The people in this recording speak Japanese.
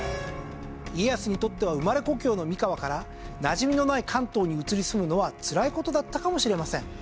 家康にとっては生まれ故郷の三河からなじみのない関東に移り住むのはつらい事だったかもしれません。